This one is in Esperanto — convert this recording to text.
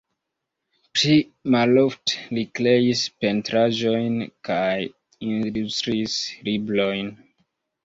Pli malofte li kreis pentraĵojn kaj ilustris librojn.